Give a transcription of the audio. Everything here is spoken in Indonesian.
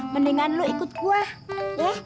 mendingan lu ikut gua ya